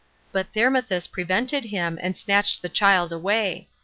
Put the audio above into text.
But Thermuthis prevented him, and snatched the child away.